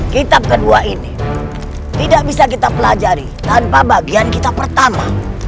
kitab kedua ini tidak bisa kita pelajari tanpa bagian kita pertama